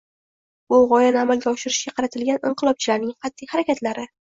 bu g‘oyani amalga oshirishga qaratilgan inqilobchilarning qat’iy harakatlari